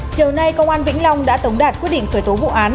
chiều nay công an vĩnh long đã tống đạt quyết định khởi tố vụ án